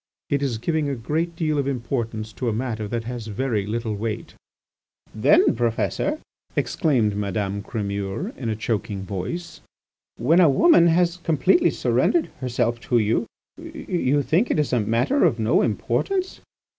It is giving a great deal of importance to a matter that has very little weight." "Then, Professor," exclaimed Madame Crémeur in a choking voice, "when a woman has completely surrendered herself to you, you think it is a matter of no importance?"